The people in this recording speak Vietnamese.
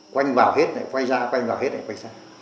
quanh vào hết này quay ra quanh vào hết này quay ra